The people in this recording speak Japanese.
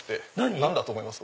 何だと思いますか？